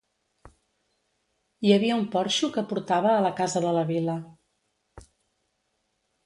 Hi havia un porxo que portava a la Casa de la Vila.